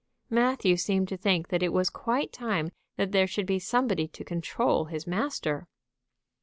Matthew seemed to think that it was quite time that there should be somebody to control his master.